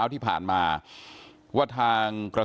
สวัสดีคุณผู้ชมครับสวัสดีคุณผู้ชมครับ